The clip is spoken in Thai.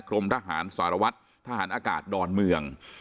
กรมทหารสารวัตรทหารอากาศดอนเมือง